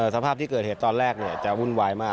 สภาพที่เกิดเหตุตอนแรกจะวุ่นวายมาก